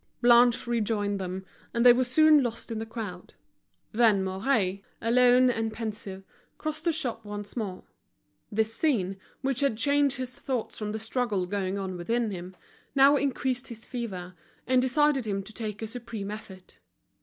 Blanche rejoined them, and they were soon lost in the crowd. Then Mouret, alone and pensive, crossed the shop once more. This scene, which had changed his thoughts from the struggle going on within him, now increased his fever, and decided him to make a supreme effort.